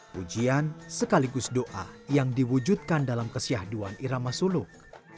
pujian sekaligus doa yang diwujudkan dalam kesyahduan irama suluk